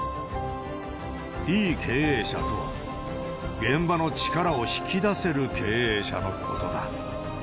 いい経営者とは、現場の力を引き出せる経営者のことだ。